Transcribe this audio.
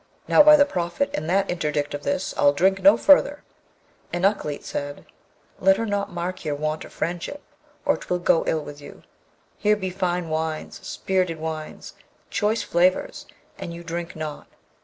Now, by the Prophet and that interdict of his, I'll drink no further.' And Ukleet said, 'Let her not mark your want of fellowship, or 'twill go ill with you. Here be fine wines, spirited wines! choice flavours! and you drink not!